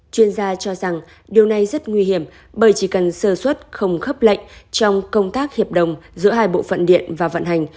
chuyên gia cho rằng điều này rất nguy hiểm bởi chỉ cần sơ xuất không khấp lệnh trong công tác hiệp đồng giữa hai bộ phận điện và vận hành